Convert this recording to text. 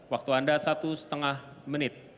waktu anda satu setengah menit